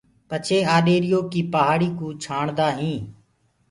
پڇي آڏيريٚ يو ڪيٚ پآڙي ڪوُ ڇآڻدآ هينٚ